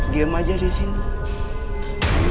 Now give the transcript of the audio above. game aja di sini